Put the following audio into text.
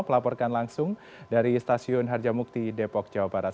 pelaporkan langsung dari stasiun harjamukti depok jawa barat